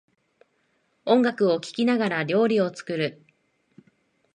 音楽を聴きながら料理を作る